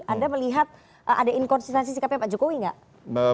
anda melihat ada inkonsistensi sikapnya pak jokowi nggak